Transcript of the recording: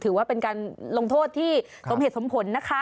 ถือว่าเป็นการลงโทษที่สมเหตุสมผลนะคะ